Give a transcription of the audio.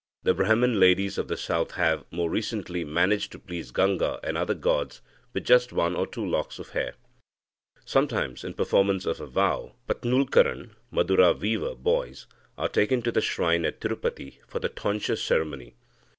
The Brahman ladies of the south have more recently managed to please Ganga and other gods with just one or two locks of hair." Sometimes, in performance of a vow, Patnulkaran (Madura weaver) boys are taken to the shrine at Tirupati for the tonsure ceremony.